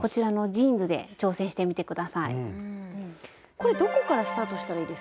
これどこからスタートしたらいいですか？